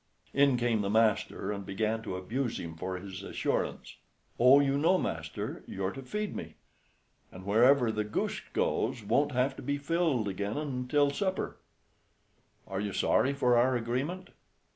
In came the master, and began to abuse him for his assurance. "Oh, you know, master, you're to feed me, and wherever the goose goes won't have to be filled again till supper. Are you sorry for our agreement?"